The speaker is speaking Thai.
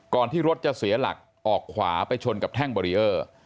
ที่รถจะเสียหลักออกขวาไปชนกับแท่งบารีเออร์